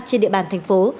trên địa bàn thành phố